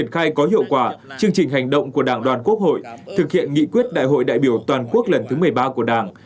khai có hiệu quả chương trình hành động của đảng đoàn quốc hội thực hiện nghị quyết đại hội đại biểu toàn quốc lần thứ một mươi ba của đảng